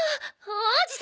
王子様